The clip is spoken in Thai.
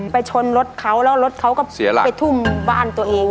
ไปชนรถเขาแล้วรถเขาก็ไปทุ่มบ้านตัวเอง